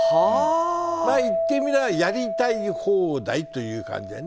言ってみればやりたい放題という感じだよね。